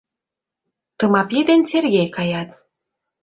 Тымапи ден Сергей каят.